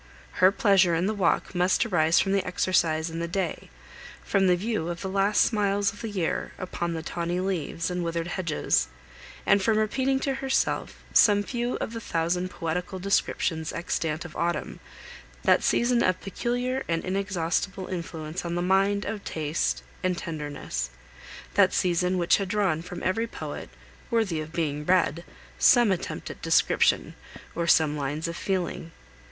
Her pleasure in the walk must arise from the exercise and the day, from the view of the last smiles of the year upon the tawny leaves, and withered hedges, and from repeating to herself some few of the thousand poetical descriptions extant of autumn, that season of peculiar and inexhaustible influence on the mind of taste and tenderness, that season which had drawn from every poet, worthy of being read, some attempt at description, or some lines of feeling.